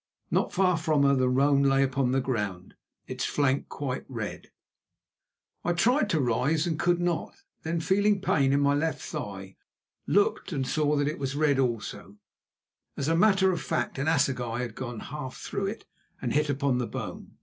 Not far from her the roan lay upon the ground, its flank quite red. I tried to rise and could not, then feeling pain in my left thigh, looked and saw that it was red also. As a matter of fact an assegai had gone half through it and hit upon the bone.